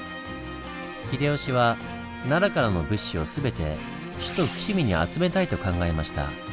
秀吉は奈良からの物資を全て首都伏見に集めたいと考えました。